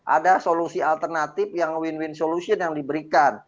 ada solusi alternatif yang win win solution yang diberikan